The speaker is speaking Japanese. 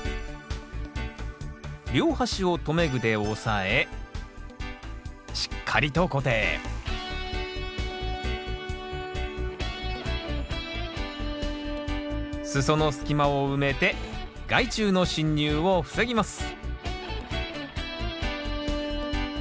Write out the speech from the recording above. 両端を留め具で押さえしっかりと固定裾の隙間を埋めて害虫の侵入を防ぎます